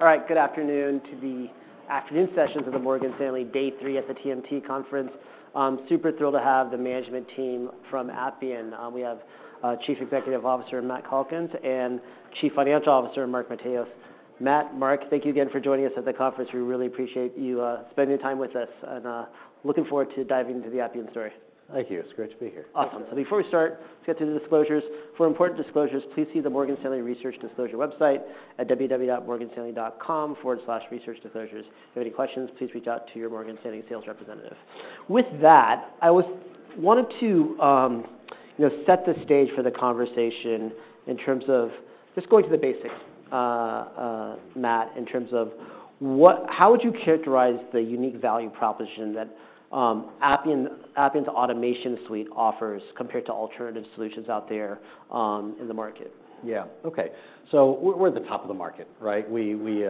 All right, good afternoon to the afternoon sessions of the Morgan Stanley Day 3 at the TMT Conference. Super thrilled to have the management team from Appian. We have Chief Executive Officer Matt Calkins and Chief Financial Officer Mark Matheos. Matt, Mark, thank you again for joining us at the conference. We really appreciate you spending the time with us, and looking forward to diving into the Appian story. Thank you. It's great to be here. Awesome. So before we start, let's get to the disclosures. For important disclosures, please see the Morgan Stanley Research Disclosure website at www.morganstanley.com/researchdisclosures. If you have any questions, please reach out to your Morgan Stanley Sales Representative. With that, I wanted to, you know, set the stage for the conversation in terms of just going to the basics, Matt, in terms of what, how would you characterize the unique value proposition that Appian's automation suite offers compared to alternative solutions out there in the market? Yeah. Okay. So we're at the top of the market, right? We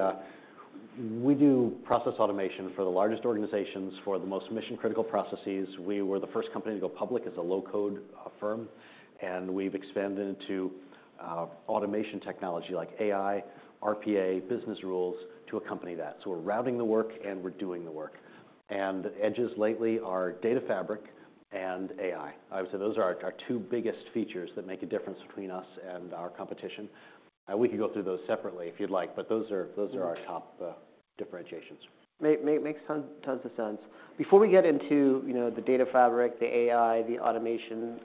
do process automation for the largest organizations, for the most mission-critical processes. We were the first company to go public as a low-code firm, and we've expanded into automation technology like AI, RPA, business rules to accompany that. So we're routing the work, and we're doing the work. And edges lately are Data Fabric and AI. I would say those are our two biggest features that make a difference between us and our competition. We could go through those separately if you'd like, but those are our top differentiations. Makes tons of sense. Before we get into, you know, the data fabric, the AI, the automation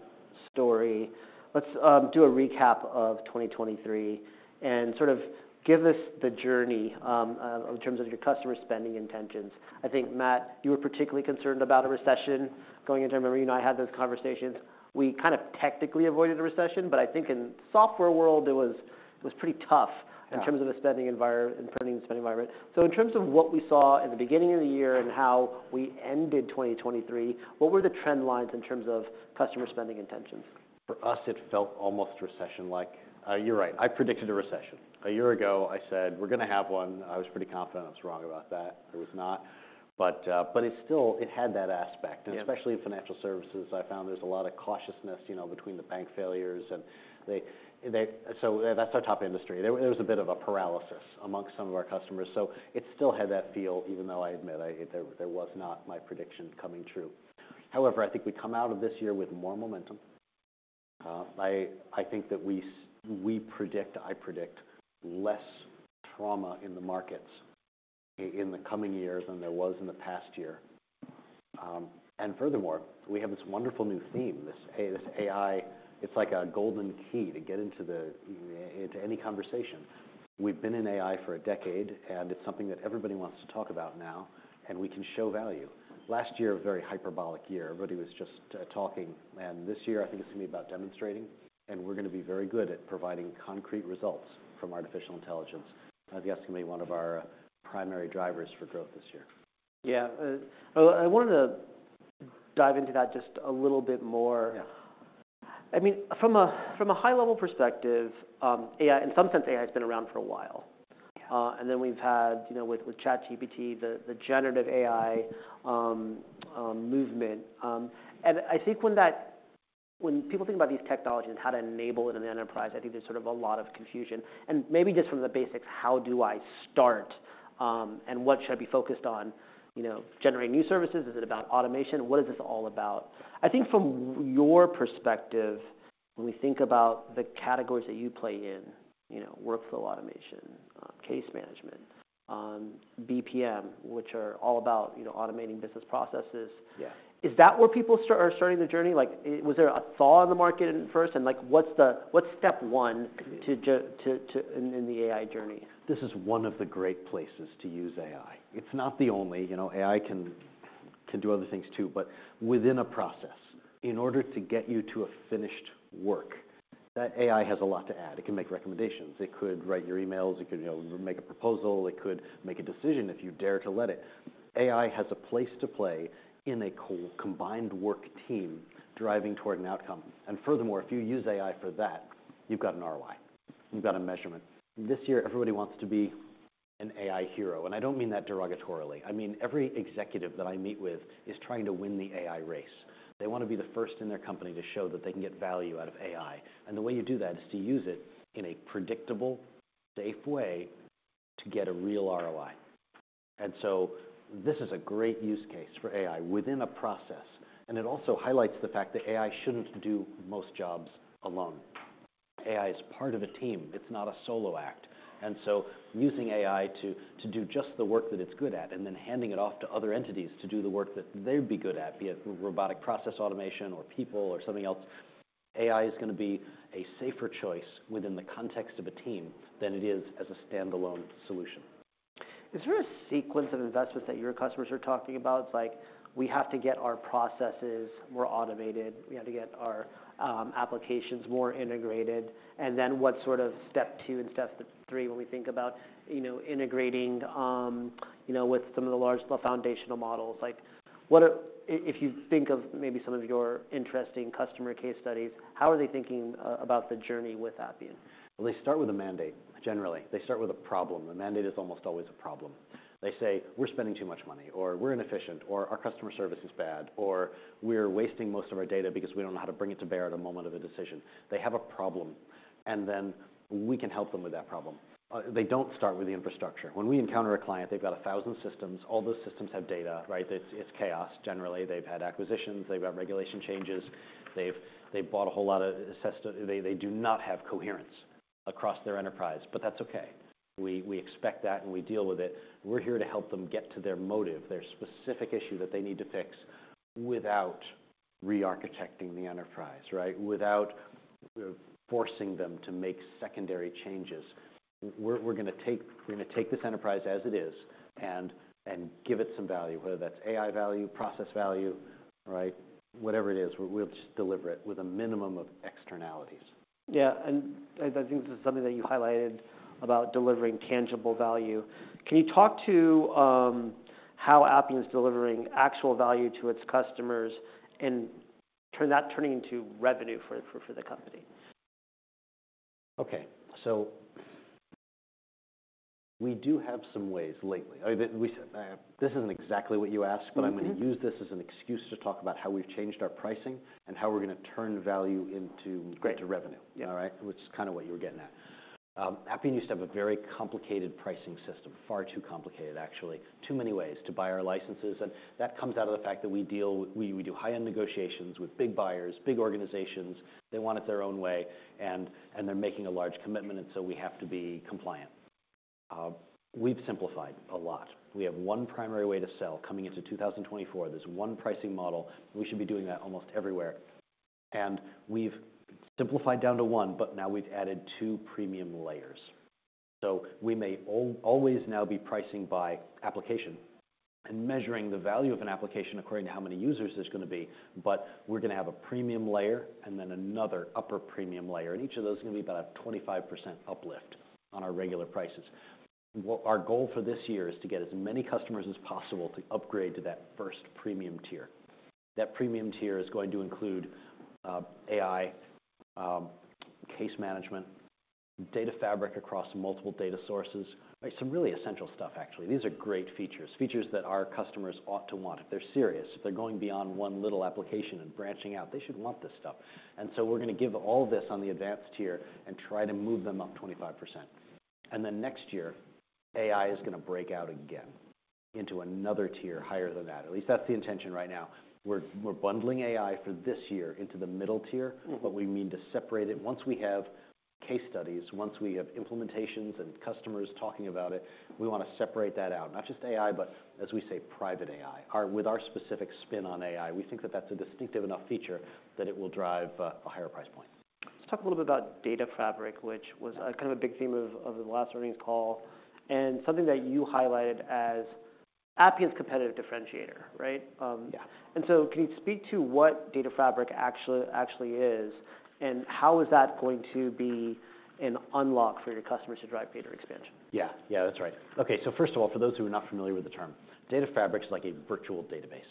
story, let's do a recap of 2023 and sort of give us the journey, in terms of your customer spending intentions. I think, Matt, you were particularly concerned about a recession going into. I remember you and I had those conversations. We kind of technically avoided a recession, but I think in the software world it was it was pretty tough in terms of a spending environment and a prolonged spending environment. So in terms of what we saw at the beginning of the year and how we ended 2023, what were the trend lines in terms of customer spending intentions? For us, it felt almost recession-like. You're right. I predicted a recession. A year ago, I said, "We're going to have one." I was pretty confident I was wrong about that. I was not. But it still had that aspect. And especially in financial services, I found there's a lot of cautiousness, you know, between the bank failures and they so that's our top industry. There was a bit of a paralysis amongst some of our customers. So it still had that feel, even though I admit it there was not my prediction coming true. However, I think we come out of this year with more momentum. I think that we predict I predict less trauma in the markets in the coming year than there was in the past year. Furthermore, we have this wonderful new theme, this AI. It's like a golden key to get into any conversation. We've been in AI for a decade, and it's something that everybody wants to talk about now, and we can show value. Last year, a very hyperbolic year. Everybody was just talking. This year, I think it's going to be about demonstrating, and we're going to be very good at providing concrete results from artificial intelligence. I think that's going to be one of our primary drivers for growth this year. Yeah, well, I wanted to dive into that just a little bit more. Yeah. I mean, from a high-level perspective, AI in some sense, AI's been around for a while. And then we've had, you know, with ChatGPT, the generative AI movement. And I think when people think about these technologies and how to enable it in the enterprise, I think there's sort of a lot of confusion. And maybe just from the basics, how do I start, and what should I be focused on, you know, generating new services? Is it about automation? What is this all about? I think from your perspective, when we think about the categories that you play in, you know, workflow automation, case management, BPM, which are all about, you know, automating business processes. Yeah. Is that where people are starting the journey? Like, was there a thaw in the market at first? And, like, what's step one to get into the AI journey? This is one of the great places to use AI. It's not the only, you know. AI can do other things too, but within a process, in order to get you to a finished work, that AI has a lot to add. It can make recommendations. It could write your emails. It could, you know, make a proposal. It could make a decision if you dare to let it. AI has a place to play in a combined work team driving toward an outcome. And furthermore, if you use AI for that, you've got an ROI. You've got a measurement. This year, everybody wants to be an AI hero. And I don't mean that derogatorily. I mean, every executive that I meet with is trying to win the AI race. They want to be the first in their company to show that they can get value out of AI. And the way you do that is to use it in a predictable, safe way to get a real ROI. And so this is a great use case for AI within a process. And it also highlights the fact that AI shouldn't do most jobs alone. AI is part of a team. It's not a solo act. And so using AI to do just the work that it's good at and then handing it off to other entities to do the work that they'd be good at, be it robotic process automation or people or something else, AI is going to be a safer choice within the context of a team than it is as a standalone solution. Is there a sequence of investments that your customers are talking about? It's like, "We have to get our processes more automated. We have to get our applications more integrated." And then what sort of step two and step three when we think about, you know, integrating, you know, with some of the large foundational models? Like, what if you think of maybe some of your interesting customer case studies, how are they thinking about the journey with Appian? Well, they start with a mandate, generally. They start with a problem. The mandate is almost always a problem. They say, "We're spending too much money," or, "We're inefficient," or, "Our customer service is bad," or, "We're wasting most of our data because we don't know how to bring it to bear at a moment of a decision." They have a problem, and then we can help them with that problem. They don't start with the infrastructure. When we encounter a client, they've got 1,000 systems. All those systems have data, right? It's chaos, generally. They've had acquisitions. They've got regulation changes. They've bought a whole lot of assets, they do not have coherence across their enterprise. But that's okay. We expect that, and we deal with it. We're here to help them get to their motive, their specific issue that they need to fix without rearchitecting the enterprise, right? Without forcing them to make secondary changes. We're going to take this enterprise as it is and give it some value, whether that's AI value, process value, right? Whatever it is, we'll just deliver it with a minimum of externalities. Yeah. And I think this is something that you highlighted about delivering tangible value. Can you talk to how Appian's delivering actual value to its customers and turning that into revenue for the company? Okay. So we do have some ways lately. I mean, that this isn't exactly what you asked, but I'm going to use this as an excuse to talk about how we've changed our pricing and how we're going to turn value into. Great. Into revenue. Yeah. All right? Which is kind of what you were getting at. Appian used to have a very complicated pricing system, far too complicated, actually, too many ways to buy our licenses. That comes out of the fact that we deal we do high-end negotiations with big buyers, big organizations. They want it their own way, and they're making a large commitment, and so we have to be compliant. We've simplified a lot. We have one primary way to sell coming into 2024. There's one pricing model. We should be doing that almost everywhere. We've simplified down to one, but now we've added two premium layers. So we may always now be pricing by application and measuring the value of an application according to how many users there's going to be, but we're going to have a premium layer and then another upper premium layer. Each of those is going to be about a 25% uplift on our regular prices. What our goal for this year is to get as many customers as possible to upgrade to that first premium tier. That premium tier is going to include AI, case management, data fabric across multiple data sources, right? Some really essential stuff, actually. These are great features, features that our customers ought to want if they're serious. If they're going beyond one little application and branching out, they should want this stuff. And so we're going to give all this on the advanced tier and try to move them up 25%. And then next year, AI is going to break out again into another tier higher than that. At least that's the intention right now. We're bundling AI for this year into the middle tier, but we mean to separate it. Once we have case studies, once we have implementations and customers talking about it, we want to separate that out, not just AI, but, as we say, Private AI, our with our specific spin on AI. We think that that's a distinctive enough feature that it will drive a higher price point. Let's talk a little bit about Data Fabric, which was kind of a big theme of the last earnings call and something that you highlighted as Appian's competitive differentiator, right? Yeah. And so can you speak to what Data Fabric actually, actually is, and how is that going to be an unlock for your customers to drive data expansion? Yeah. Yeah, that's right. Okay. So first of all, for those who are not familiar with the term, Data Fabric's like a virtual database.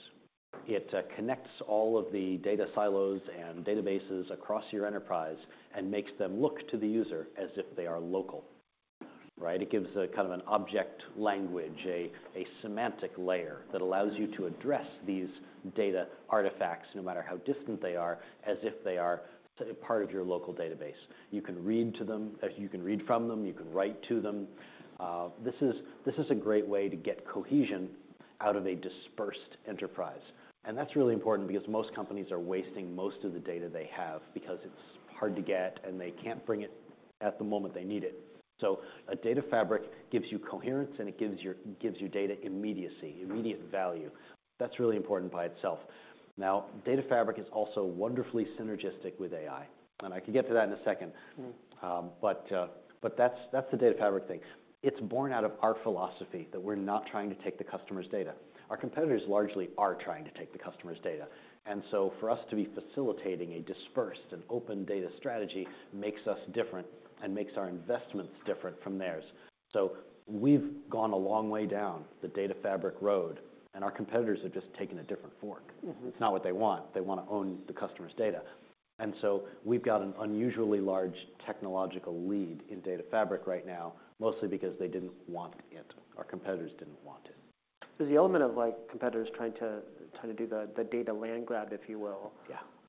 It connects all of the data silos and databases across your enterprise and makes them look to the user as if they are local, right? It gives a kind of an object language, a semantic layer that allows you to address these data artifacts, no matter how distant they are, as if they are a part of your local database. You can read to them as you can read from them. You can write to them. This is a great way to get cohesion out of a dispersed enterprise. And that's really important because most companies are wasting most of the data they have because it's hard to get, and they can't bring it at the moment they need it. So a data fabric gives you coherence, and it gives your data immediacy, immediate value. That's really important by itself. Now, data fabric is also wonderfully synergistic with AI. And I could get to that in a second, but that's the data fabric thing. It's born out of our philosophy that we're not trying to take the customer's data. Our competitors largely are trying to take the customer's data. And so for us to be facilitating a dispersed and open data strategy makes us different and makes our investments different from theirs. So we've gone a long way down the data fabric road, and our competitors have just taken a different fork. It's not what they want. They want to own the customer's data. And so we've got an unusually large technological lead in data fabric right now, mostly because they didn't want it. Our competitors didn't want it. There's the element of, like, competitors trying to do the data land grab, if you will.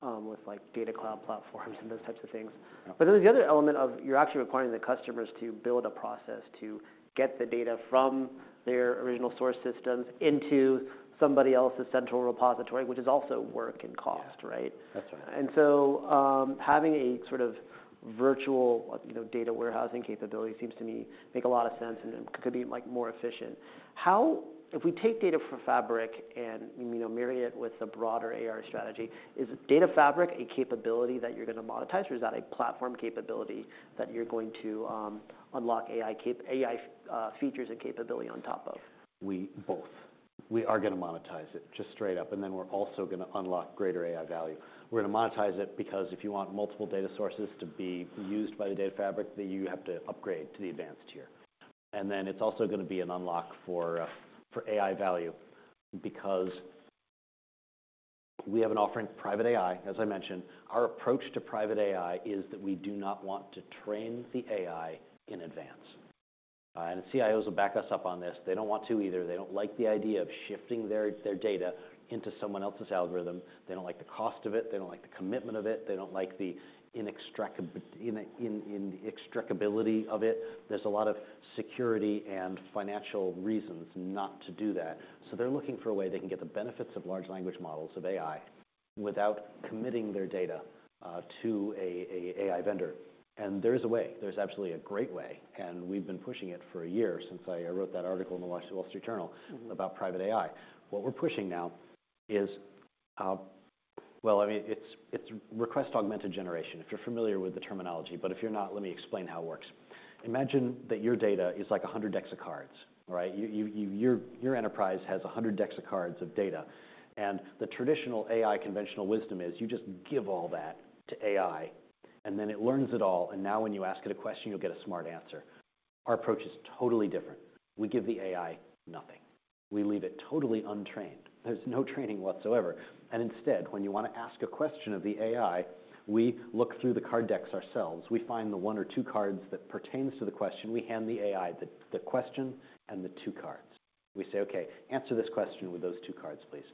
Yeah. with like data cloud platforms and those types of things. But then there's the other element of you're actually requiring the customers to build a process to get the data from their original source systems into somebody else's central repository, which is also work and cost, right? Yeah. That's right. Having a sort of virtual, you know, data warehousing capability seems to me make a lot of sense and could be, like, more efficient. How, if we take Data Fabric and, you know, marry it with a broader AI strategy, is Data Fabric a capability that you're going to monetize, or is that a platform capability that you're going to unlock AI capabilities on top of? We both. We are going to monetize it, just straight up. And then we're also going to unlock greater AI value. We're going to monetize it because if you want multiple data sources to be used by the Data Fabric, then you have to upgrade to the advanced tier. And then it's also going to be an unlock for AI value because we have an offering Private AI, as I mentioned. Our approach to Private AI is that we do not want to train the AI in advance. CIOs will back us up on this. They don't want to either. They don't like the idea of shifting their data into someone else's algorithm. They don't like the cost of it. They don't like the commitment of it. They don't like the inextractability of it. There's a lot of security and financial reasons not to do that. So they're looking for a way they can get the benefits of large language models, of AI, without committing their data to a AI vendor. And there is a way. There's absolutely a great way. And we've been pushing it for a year since I wrote that article in the Wall Street Journal about private AI. What we're pushing now is, well, I mean, it's request-augmented generation, if you're familiar with the terminology. But if you're not, let me explain how it works. Imagine that your data is like 100 decks of cards, all right? Your enterprise has 100 decks of cards of data. The traditional AI conventional wisdom is, "You just give all that to AI, and then it learns it all, and now when you ask it a question, you'll get a smart answer." Our approach is totally different. We give the AI nothing. We leave it totally untrained. There's no training whatsoever. And instead, when you want to ask a question of the AI, we look through the card decks ourselves. We find the one or two cards that pertains to the question. We hand the AI the question and the two cards. We say, "Okay. Answer this question with those two cards, please."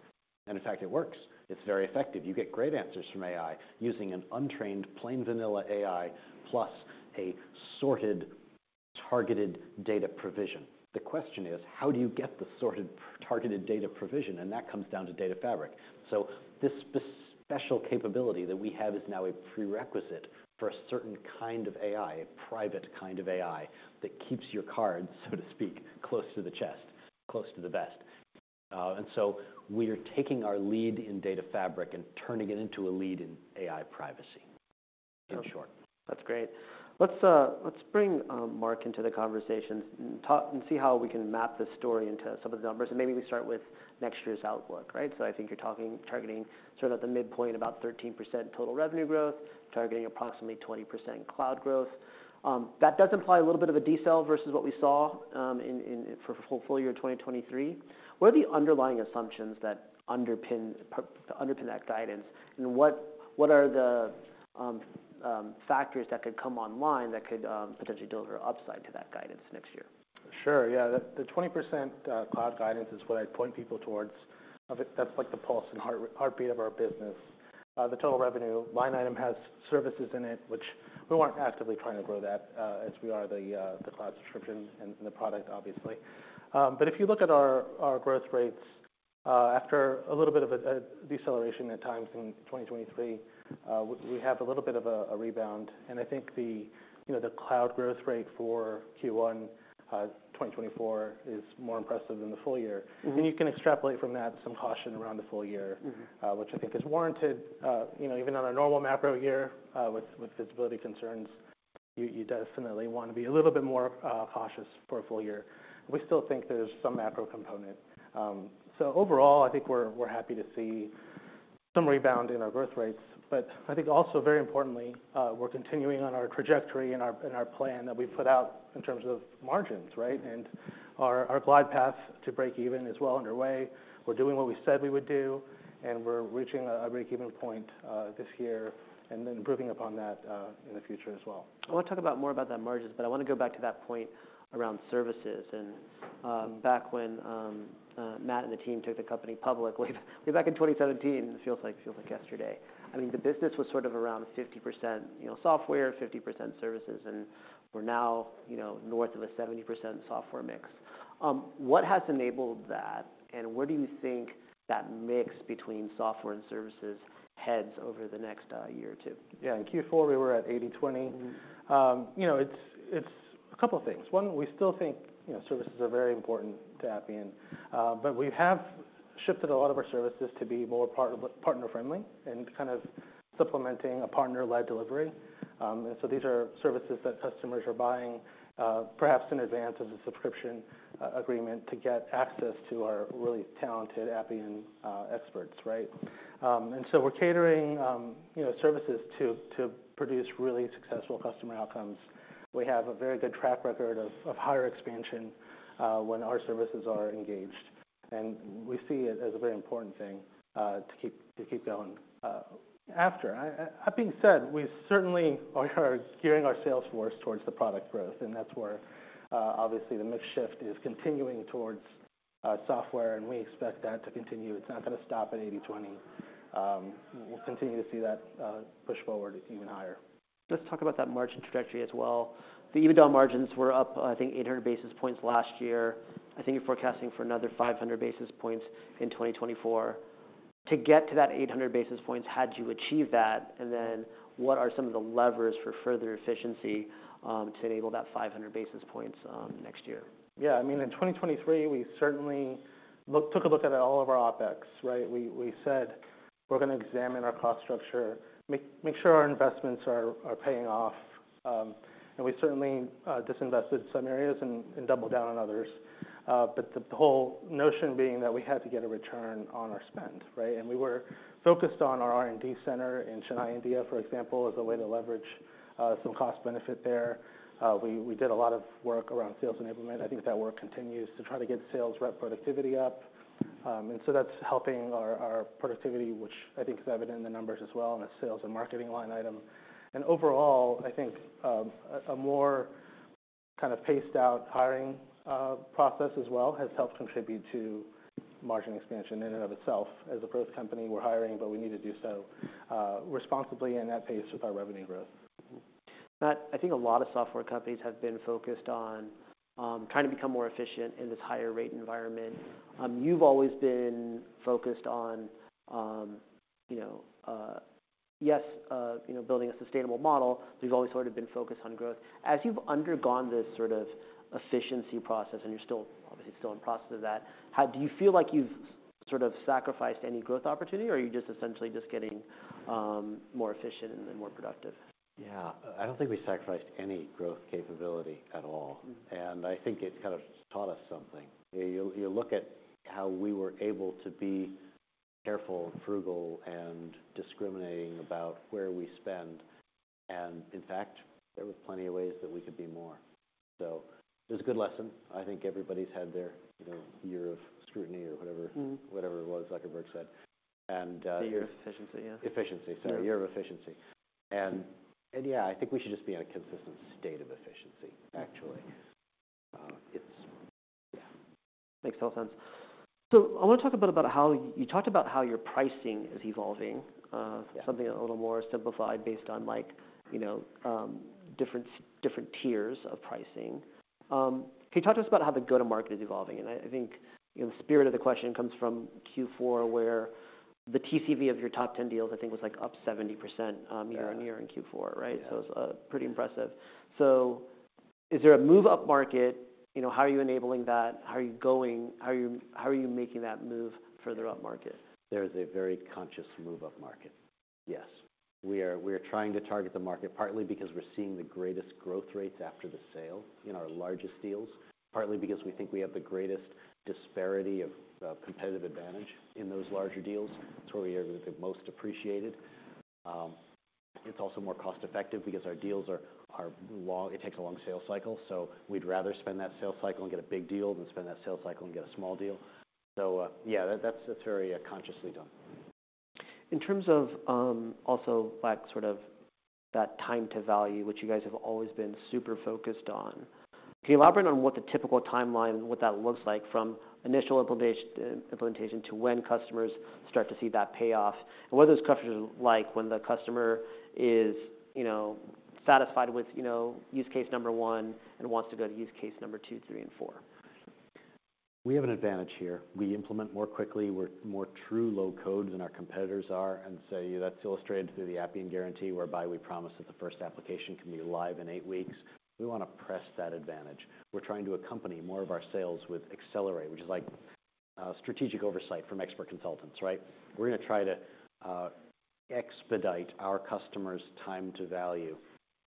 And in fact, it works. It's very effective. You get great answers from AI using an untrained, plain vanilla AI plus a sorted, targeted data provision. The question is, "How do you get the sorted, targeted data provision?" And that comes down to Data Fabric. So this special capability that we have is now a prerequisite for a certain kind of AI, a private kind of AI that keeps your cards, so to speak, close to the chest, close to the vest. And so we are taking our lead in Data Fabric and turning it into a lead in AI privacy, in short. That's great. Let's bring Mark into the conversation and talk and see how we can map this story into some of the numbers. Maybe we start with next year's outlook, right? So I think you're talking targeting sort of at the midpoint about 13% total revenue growth, targeting approximately 20% cloud growth. That does imply a little bit of a decel versus what we saw in FY 2023. What are the underlying assumptions that underpin that guidance, and what are the factors that could come online that could potentially deliver upside to that guidance next year? Sure. Yeah. The 20% cloud guidance is what I point people towards of it. That's, like, the pulse and heartbeat of our business. The total revenue line item has services in it, which we weren't actively trying to grow that, as we are the cloud subscription and the product, obviously. But if you look at our growth rates, after a little bit of a deceleration at times in 2023, we have a little bit of a rebound. And I think the, you know, the cloud growth rate for Q1, 2024 is more impressive than the full year. And you can extrapolate from that some caution around the full year, which I think is warranted. You know, even on a normal macro year, with visibility concerns, you definitely want to be a little bit more cautious for a full year. We still think there's some macro component. So overall, I think we're happy to see some rebound in our growth rates. But I think also, very importantly, we're continuing on our trajectory and our plan that we've put out in terms of margins, right? And our glide path to breakeven is well underway. We're doing what we said we would do, and we're reaching a breakeven point this year and then improving upon that in the future as well. I want to talk more about that margins, but I want to go back to that point around services. Back when Matt and the team took the company public, way back in 2017, it feels like it feels like yesterday. I mean, the business was sort of around 50%, you know, software, 50% services, and we're now, you know, north of a 70% software mix. What has enabled that, and where do you think that mix between software and services heads over the next year or two? Yeah. In Q4, we were at 80/20. You know, it's a couple of things. One, we still think, you know, services are very important to Appian. But we have shifted a lot of our services to be more partner-friendly and kind of supplementing a partner-led delivery. And so these are services that customers are buying, perhaps in advance of the subscription agreement to get access to our really talented Appian experts, right? And so we're catering, you know, services to produce really successful customer outcomes. We have a very good track record of higher expansion when our services are engaged. And we see it as a very important thing to keep going after. That being said, we certainly are gearing our sales force towards the product growth, and that's where, obviously, the mix shift is continuing towards software. And we expect that to continue. It's not going to stop at 80/20. We'll continue to see that, push forward even higher. Let's talk about that margin trajectory as well. The EBITDA on margins were up, I think, 800 basis points last year. I think you're forecasting for another 500 basis points in 2024. To get to that 800 basis points, had you achieved that, and then what are some of the levers for further efficiency, to enable that 500 basis points, next year? Yeah. I mean, in 2023, we certainly took a look at all of our OpEx, right? We said, "We're going to examine our cost structure, make sure our investments are paying off." We certainly disinvested some areas and doubled down on others. The whole notion being that we had to get a return on our spend, right? We were focused on our R&D center in Chennai, India, for example, as a way to leverage some cost benefit there. We did a lot of work around sales enablement. I think that work continues to try to get sales rep productivity up. That's helping our productivity, which I think is evident in the numbers as well, in the sales and marketing line item. Overall, I think, a more kind of paced-out hiring process as well has helped contribute to margin expansion in and of itself. As a growth company, we're hiring, but we need to do so, responsibly and at pace with our revenue growth. Matt, I think a lot of software companies have been focused on trying to become more efficient in this higher-rate environment. You've always been focused on, you know, yes, you know, building a sustainable model, but you've always sort of been focused on growth. As you've undergone this sort of efficiency process, and you're still obviously in the process of that, how do you feel like you've sort of sacrificed any growth opportunity, or are you just essentially getting more efficient and more productive? Yeah. I don't think we sacrificed any growth capability at all. And I think it kind of taught us something. You'll look at how we were able to be careful and frugal and discriminating about where we spend. And in fact, there were plenty of ways that we could be more. So it was a good lesson. I think everybody's had their, you know, year of scrutiny or whatever, whatever it was, Zuckerberg said. And, The year of efficiency, yeah. Efficiency. Sorry. Year of efficiency. And yeah, I think we should just be in a consistent state of efficiency, actually. It's yeah. Makes total sense. So I want to talk a bit about how you talked about how your pricing is evolving, something a little more simplified based on, like, you know, different, different tiers of pricing. Can you talk to us about how the go-to-market is evolving? And I, I think, you know, the spirit of the question comes from Q4, where the TCV of your top 10 deals, I think, was, like, up 70%, year-on-year in Q4, right? So it was a pretty impressive. So is there a move-up market? You know, how are you enabling that? How are you going? How are you how are you making that move further up market? There is a very conscious move-up market. Yes. We are trying to target the market partly because we're seeing the greatest growth rates after the sale in our largest deals, partly because we think we have the greatest disparity of competitive advantage in those larger deals. It's where we are the most appreciated. It's also more cost-effective because our deals are long it takes a long sales cycle. So we'd rather spend that sales cycle and get a big deal than spend that sales cycle and get a small deal. So, yeah, that's very consciously done. In terms of, also, like, sort of that time to value, which you guys have always been super focused on, can you elaborate on what the typical timeline, what that looks like from initial implementation to when customers start to see that payoff, and what those customers are like when the customer is, you know, satisfied with, you know, use case number one and wants to go to use case number two, three, and four? We have an advantage here. We implement more quickly. We're more true low-code than our competitors are and say, "That's illustrated through the Appian Guarantee, whereby we promise that the first application can be live in eight weeks." We want to press that advantage. We're trying to accompany more of our sales with Accelerate, which is like, strategic oversight from expert consultants, right? We're going to try to, expedite our customer's time to value.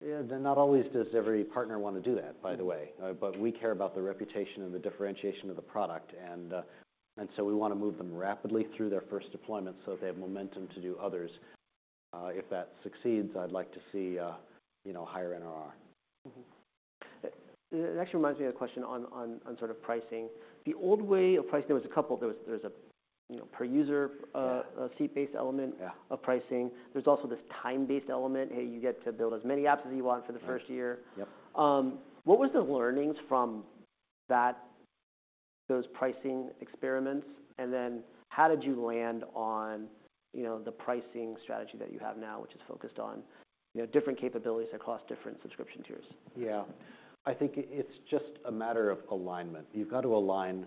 Yeah. Not always does every partner want to do that, by the way. But we care about the reputation and the differentiation of the product. And, and so we want to move them rapidly through their first deployment so that they have momentum to do others. If that succeeds, I'd like to see, you know, higher NRR. That actually reminds me of a question on sort of pricing. The old way of pricing, there was a couple, there was a, you know, per-user, seat-based element of pricing. There's also this time-based element. Hey, you get to build as many apps as you want for the first year. What were the learnings from those pricing experiments? And then how did you land on, you know, the pricing strategy that you have now, which is focused on, you know, different capabilities across different subscription tiers? Yeah. I think it's just a matter of alignment. You've got to align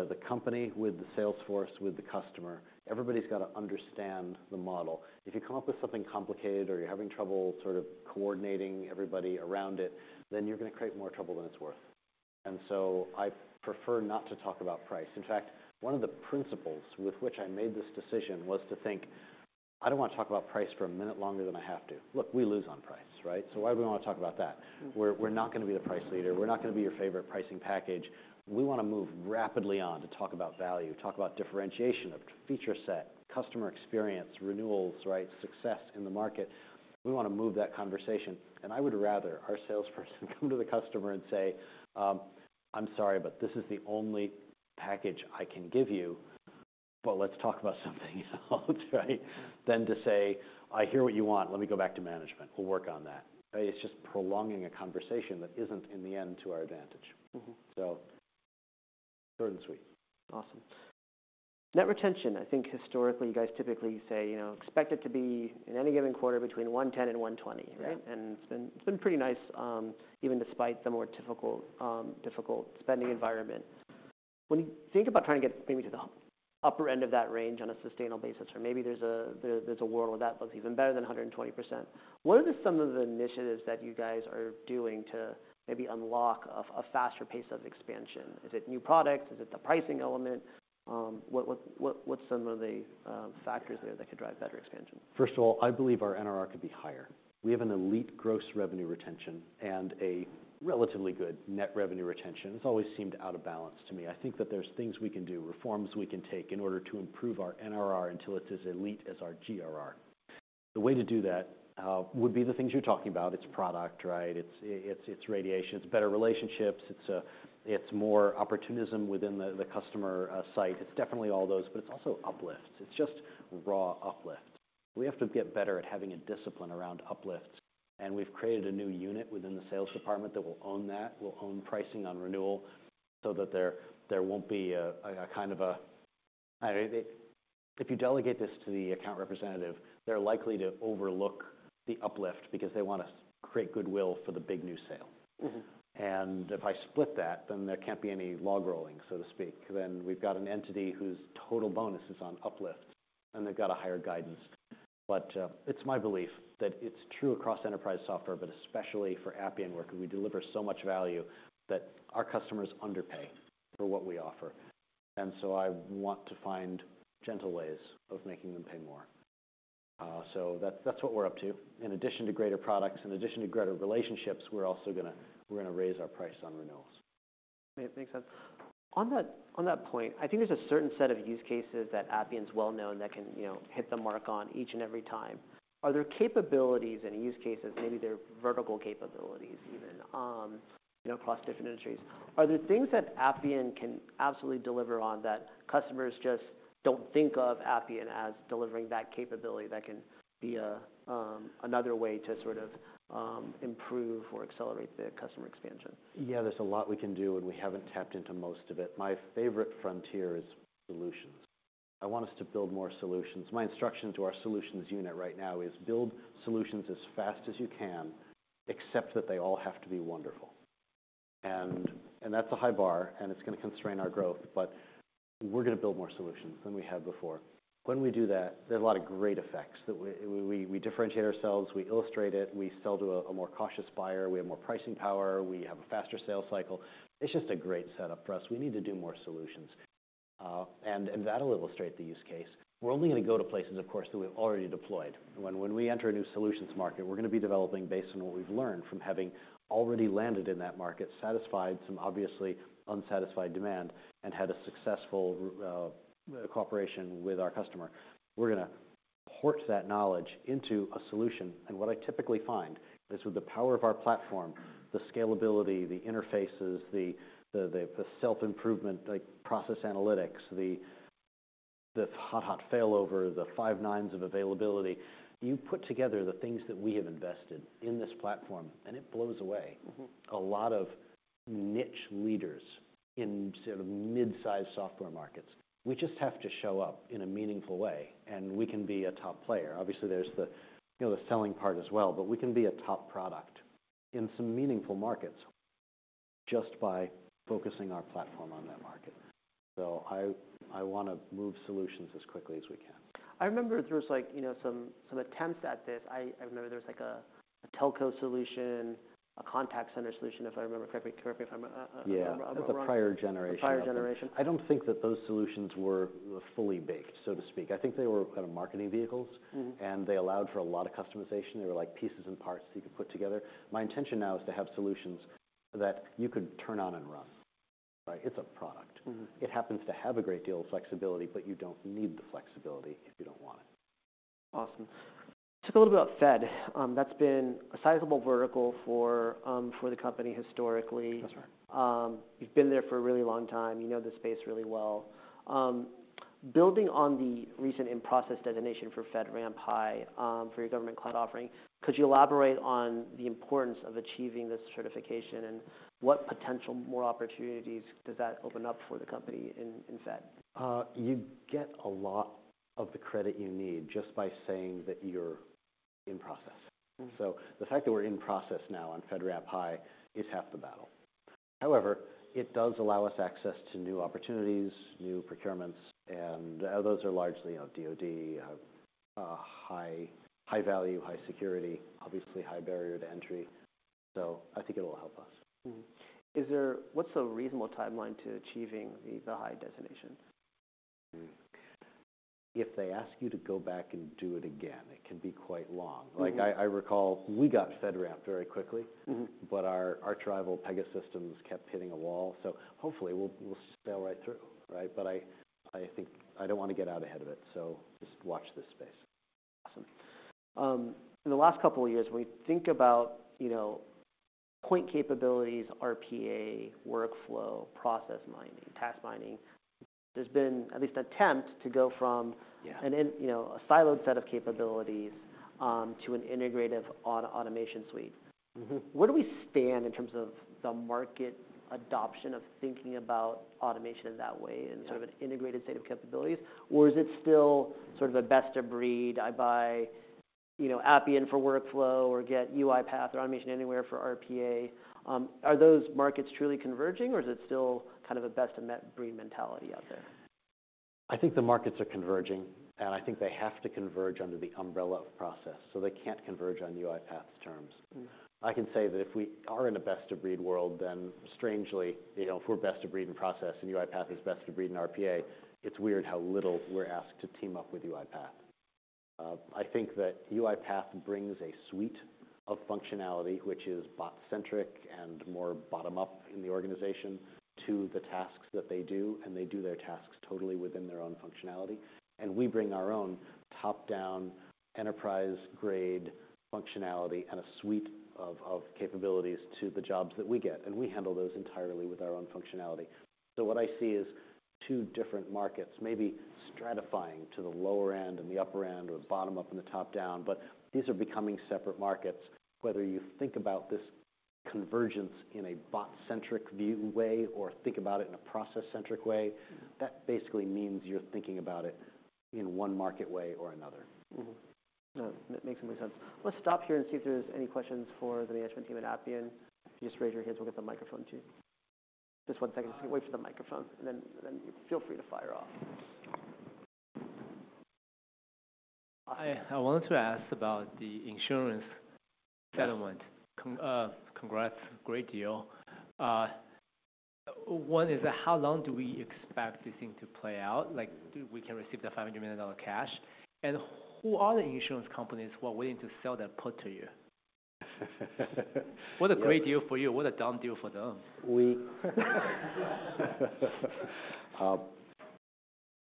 the company with the sales force, with the customer. Everybody's got to understand the model. If you come up with something complicated or you're having trouble sort of coordinating everybody around it, then you're going to create more trouble than it's worth. And so I prefer not to talk about price. In fact, one of the principles with which I made this decision was to think, "I don't want to talk about price for a minute longer than I have to. Look, we lose on price, right? So why would we want to talk about that? We're not going to be the price leader. We're not going to be your favorite pricing package. We want to move rapidly on to talk about value, talk about differentiation of feature set, customer experience, renewals, right, success in the market. We want to move that conversation. And I would rather our salesperson come to the customer and say, "I'm sorry, but this is the only package I can give you, but let's talk about something else," right, than to say, "I hear what you want. Let me go back to management. We'll work on that." It's just prolonging a conversation that isn't, in the end, to our advantage. So short and sweet. Awesome. Net retention, I think historically, you guys typically say, you know, expect it to be in any given quarter between 110% and 120%, right? And it's been pretty nice, even despite the more typical, difficult spending environment. When you think about trying to get maybe to the upper end of that range on a sustainable basis, or maybe there's a world where that looks even better than 120%, what are some of the initiatives that you guys are doing to maybe unlock a faster pace of expansion? Is it new products? Is it the pricing element? What's some of the factors there that could drive better expansion? First of all, I believe our NRR could be higher. We have an elite gross revenue retention and a relatively good net revenue retention. It's always seemed out of balance to me. I think that there's things we can do, reforms we can take in order to improve our NRR until it's as elite as our GRR. The way to do that would be the things you're talking about. It's product, right? It's iteration. It's better relationships. It's more opportunism within the customer site. It's definitely all those, but it's also uplifts. It's just raw uplifts. We have to get better at having a discipline around uplifts. And we've created a new unit within the sales department that will own that, will own pricing on renewal so that there won't be a kind of a I don't know. If you delegate this to the account representative, they're likely to overlook the uplift because they want to create goodwill for the big new sale. And if I split that, then there can't be any log rolling, so to speak. Then we've got an entity whose total bonus is on uplifts, and they've got a higher guidance. But, it's my belief that it's true across enterprise software, but especially for Appian where we deliver so much value that our customers underpay for what we offer. And so I want to find gentle ways of making them pay more. So that's, that's what we're up to. In addition to greater products, in addition to greater relationships, we're also going to we're going to raise our price on renewals. It makes sense. On that point, I think there's a certain set of use cases that Appian's well-known that can, you know, hit the mark on each and every time. Are there capabilities and use cases maybe they're vertical capabilities even, you know, across different industries? Are there things that Appian can absolutely deliver on that customers just don't think of Appian as delivering that capability that can be a, another way to sort of, improve or accelerate the customer expansion? Yeah. There's a lot we can do, and we haven't tapped into most of it. My favorite frontier is solutions. I want us to build more solutions. My instruction to our solutions unit right now is build solutions as fast as you can, except that they all have to be wonderful. And that's a high bar, and it's going to constrain our growth. But we're going to build more solutions than we have before. When we do that, there's a lot of great effects that we differentiate ourselves. We illustrate it. We sell to a more cautious buyer. We have more pricing power. We have a faster sales cycle. It's just a great setup for us. We need to do more solutions. And that'll illustrate the use case. We're only going to go to places, of course, that we've already deployed. When we enter a new solutions market, we're going to be developing based on what we've learned from having already landed in that market, satisfied some obviously unsatisfied demand, and had a successful cooperation with our customer. We're going to port that knowledge into a solution. What I typically find is with the power of our platform, the scalability, the interfaces, the self-improvement, like process analytics, the hot failover, the five nines of availability, you put together the things that we have invested in this platform, and it blows away a lot of niche leaders in sort of midsize software markets. We just have to show up in a meaningful way, and we can be a top player. Obviously, there's the, you know, the selling part as well, but we can be a top product in some meaningful markets just by focusing our platform on that market. So I, I want to move solutions as quickly as we can. I remember there was, like, you know, some attempts at this. I remember there was, like, a telco solution, a contact center solution, if I remember correctly, correct me if I'm wrong. Yeah. It was a prior generation. Prior generation. I don't think that those solutions were fully baked, so to speak. I think they were kind of marketing vehicles, and they allowed for a lot of customization. They were, like, pieces and parts that you could put together. My intention now is to have solutions that you could turn on and run, right? It's a product. It happens to have a great deal of flexibility, but you don't need the flexibility if you don't want it. Awesome. Let's talk a little bit about Fed. That's been a sizable vertical for the company historically. That's right. You've been there for a really long time. You know the space really well. Building on the recent in-process designation for FedRAMP High, for your government cloud offering, could you elaborate on the importance of achieving this certification and what potential more opportunities does that open up for the company in, in Fed? You get a lot of the credit you need just by saying that you're in process. So the fact that we're in process now on FedRAMP High is half the battle. However, it does allow us access to new opportunities, new procurements, and those are largely, you know, DoD, high, high value, high security, obviously high barrier to entry. So I think it'll help us. Is there, what's the reasonable timeline to achieving the high designation? If they ask you to go back and do it again, it can be quite long. Like, I recall we got FedRAMP very quickly, but our rival Pegasystems kept hitting a wall. So hopefully, we'll sail right through, right? But I think I don't want to get out ahead of it, so just watch this space. Awesome. In the last couple of years, when we think about, you know, point capabilities, RPA, workflow, process mining, task mining, there's been at least an attempt to go from an in you know, a siloed set of capabilities, to an integrative auto-automation suite. Where do we stand in terms of the market adoption of thinking about automation in that way and sort of an integrated set of capabilities? Or is it still sort of a best-of-breed? I buy, you know, Appian for workflow or get UiPath or Automation Anywhere for RPA. Are those markets truly converging, or is it still kind of a best-of-breed mentality out there? I think the markets are converging, and I think they have to converge under the umbrella of process. So they can't converge on UiPath's terms. I can say that if we are in a best-of-breed world, then strangely, you know, if we're best-of-breed in process and UiPath is best-of-breed in RPA, it's weird how little we're asked to team up with UiPath. I think that UiPath brings a suite of functionality, which is bot-centric and more bottom-up in the organization, to the tasks that they do. And they do their tasks totally within their own functionality. And we bring our own top-down enterprise-grade functionality and a suite of capabilities to the jobs that we get. And we handle those entirely with our own functionality. What I see is two different markets, maybe stratifying to the lower end and the upper end or the bottom-up and the top-down, but these are becoming separate markets. Whether you think about this convergence in a bot-centric view way or think about it in a process-centric way, that basically means you're thinking about it in one market way or another. That makes a lot of sense. Let's stop here and see if there's any questions for the management team at Appian. If you just raise your hands, we'll get the microphone to you. Just one second. Just wait for the microphone, and then feel free to fire off. Hi. I wanted to ask about the insurance settlement. Congrats. Great deal. One is how long do we expect this thing to play out? Like, do we can receive the $500 million cash? And who are the insurance companies who are willing to sell their put to you? What a great deal for you. What a dumb deal for them. We,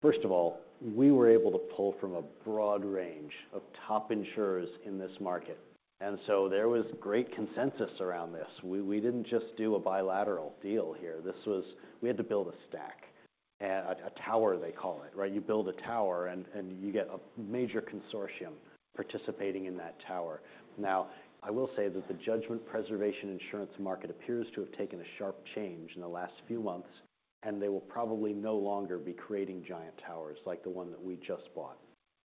first of all, were able to pull from a broad range of top insurers in this market. And so there was great consensus around this. We didn't just do a bilateral deal here. This was we had to build a stack, a tower, they call it, right? You build a tower, and you get a major consortium participating in that tower. Now, I will say that the judgment preservation insurance market appears to have taken a sharp change in the last few months, and they will probably no longer be creating giant towers like the one that we just bought.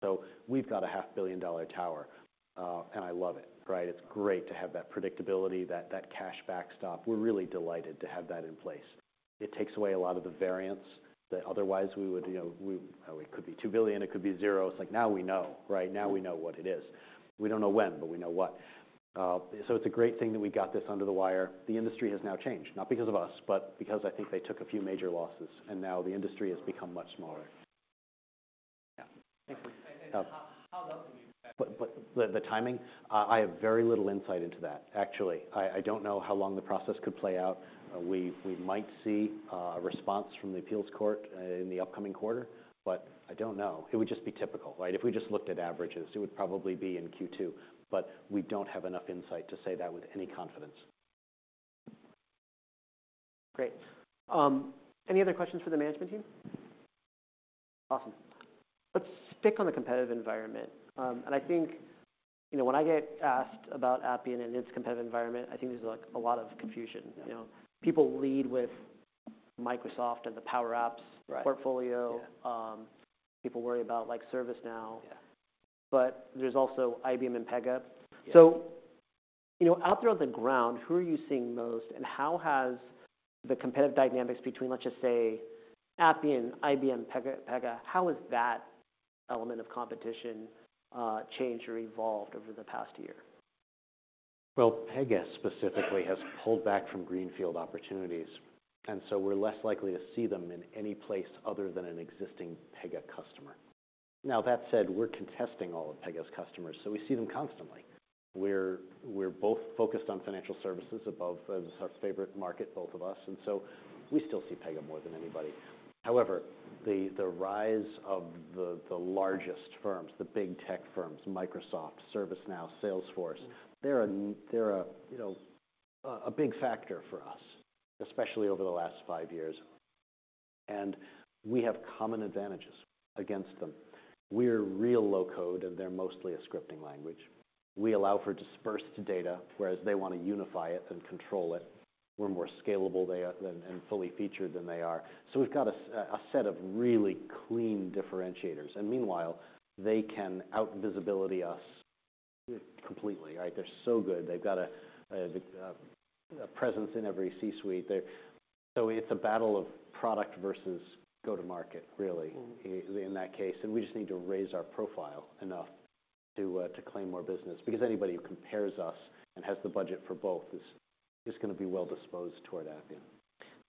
So we've got a $500 million tower, and I love it, right? It's great to have that predictability, that cash backstop. We're really delighted to have that in place. It takes away a lot of the variance that otherwise we would, you know, it could be $2 billion. It could be $0. It's like, now we know, right? Now we know what it is. We don't know when, but we know what. So it's a great thing that we got this under the wire. The industry has now changed, not because of us, but because I think they took a few major losses, and now the industry has become much smaller. Yeah. Thank you. How long do we expect? But the timing? I have very little insight into that, actually. I don't know how long the process could play out. We might see a response from the appeals court in the upcoming quarter, but I don't know. It would just be typical, right? If we just looked at averages, it would probably be in Q2. But we don't have enough insight to say that with any confidence. Great. Any other questions for the management team? Awesome. Let's pick on the competitive environment. And I think, you know, when I get asked about Appian and its competitive environment, I think there's, like, a lot of confusion. You know, people lead with Microsoft and the Power Apps portfolio. People worry about, like, ServiceNow. But there's also IBM and Pega. So, you know, out there on the ground, who are you seeing most, and how has the competitive dynamics between, let's just say, Appian, IBM, Pega, how has that element of competition changed or evolved over the past year? Well, Pega specifically has pulled back from greenfield opportunities, and so we're less likely to see them in any place other than an existing Pega customer. Now, that said, we're contesting all of Pega's customers, so we see them constantly. We're both focused on financial services above all, it's our favorite market, both of us. And so we still see Pega more than anybody. However, the rise of the largest firms, the big tech firms, Microsoft, ServiceNow, Salesforce, they're a, you know, a big factor for us, especially over the last five years. And we have common advantages against them. We're real low-code, and they're mostly a scripting language. We allow for dispersed data, whereas they want to unify it and control it. We're more scalable than they are and fully featured than they are. So we've got a set of really clean differentiators. Meanwhile, they can out-visibility us completely, right? They're so good. They've got a presence in every C-suite. They're so it's a battle of product versus go-to-market, really, in that case. And we just need to raise our profile enough to claim more business because anybody who compares us and has the budget for both is going to be well-disposed toward Appian.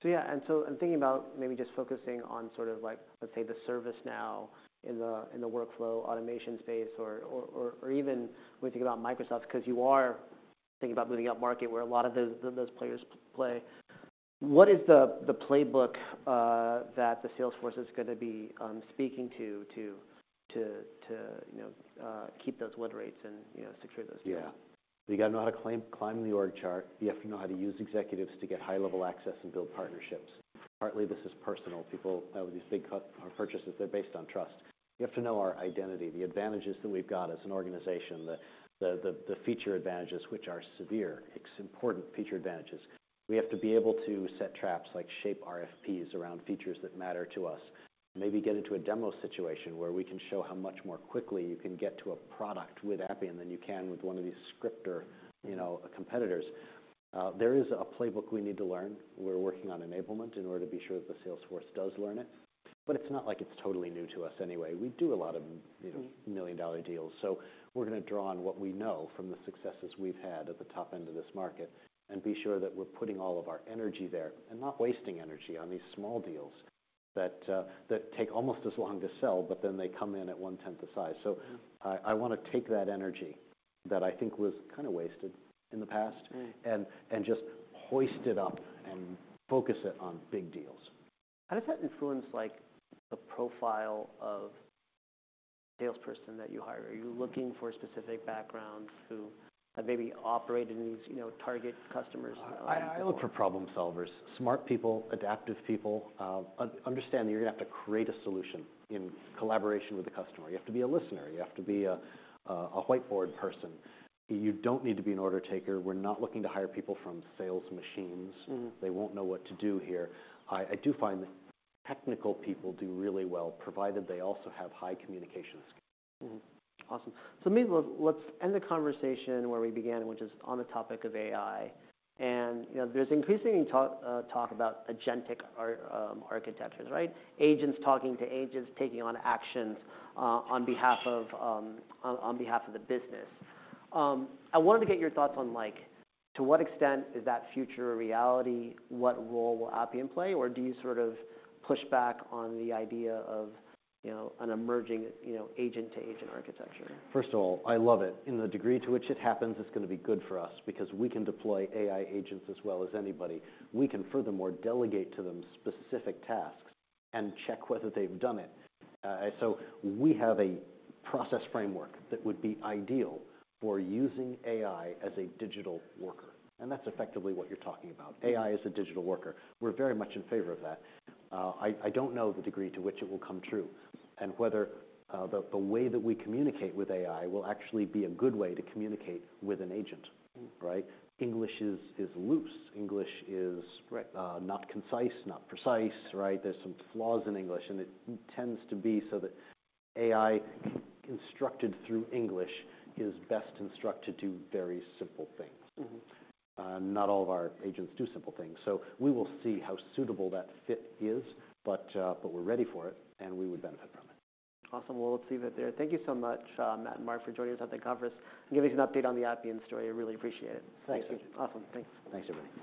So yeah. And so I'm thinking about maybe just focusing on sort of, like, let's say, the ServiceNow in the workflow automation space or even when we think about Microsoft because you are thinking about moving up market where a lot of those players play. What is the playbook that the Salesforce is going to be speaking to, you know, keep those win rates and, you know, secure those deals? Yeah. You got to know how to climb the org chart. You have to know how to use executives to get high-level access and build partnerships. Partly, this is personal. People with these big ticket purchases, they're based on trust. You have to know our identity, the advantages that we've got as an organization, the feature advantages, which are superior. It's important feature advantages. We have to be able to set traps, like shape RFPs around features that matter to us, maybe get into a demo situation where we can show how much more quickly you can get to a product with Appian than you can with one of these scripter, you know, competitors. There is a playbook we need to learn. We're working on enablement in order to be sure that the sales force does learn it. But it's not like it's totally new to us anyway. We do a lot of, you know, million-dollar deals. So we're going to draw on what we know from the successes we've had at the top end of this market and be sure that we're putting all of our energy there and not wasting energy on these small deals that, that take almost as long to sell, but then they come in at one-tenth the size. So I, I want to take that energy that I think was kind of wasted in the past and, and just hoist it up and focus it on big deals. How does that influence, like, the profile of the salesperson that you hire? Are you looking for specific backgrounds who have maybe operated in these, you know, target customers? I look for problem solvers, smart people, adaptive people, understand that you're going to have to create a solution in collaboration with the customer. You have to be a listener. You have to be a whiteboard person. You don't need to be an order taker. We're not looking to hire people from sales machines. They won't know what to do here. I do find that technical people do really well provided they also have high communication skills. Awesome. So maybe let's end the conversation where we began, which is on the topic of AI. And, you know, there's increasingly talk about agentic architectures, right? Agents talking to agents, taking on actions on behalf of the business. I wanted to get your thoughts on, like, to what extent is that future a reality? What role will Appian play? Or do you sort of push back on the idea of, you know, an emerging, you know, agent-to-agent architecture? First of all, I love it. In the degree to which it happens, it's going to be good for us because we can deploy AI agents as well as anybody. We can, furthermore, delegate to them specific tasks and check whether they've done it. So we have a process framework that would be ideal for using AI as a digital worker. And that's effectively what you're talking about. AI is a digital worker. We're very much in favor of that. I don't know the degree to which it will come true and whether the way that we communicate with AI will actually be a good way to communicate with an agent, right? English is loose. English is not concise, not precise, right? There's some flaws in English, and it tends to be so that AI constructed through English is best instructed to do very simple things. Not all of our agents do simple things. So we will see how suitable that fit is, but we're ready for it, and we would benefit from it. Awesome. Well, let's leave it there. Thank you so much, Matt and Mark, for joining us at the conference and giving us an update on the Appian story. I really appreciate it. Thank you. Awesome. Thanks. Thanks, everybody.